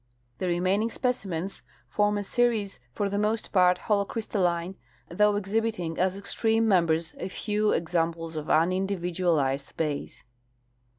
The remaining specimens form a series for the most part holo crystalline, though exhibiting as extreme members a few ex amples of unindividualized base.